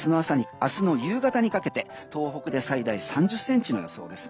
明日の夕方にかけて東北で最大３０ｃｍの予想です。